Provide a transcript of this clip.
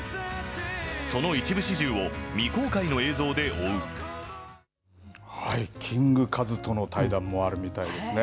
その一部始終を未公開の映像で追キングカズトの対談もあるみたいですね。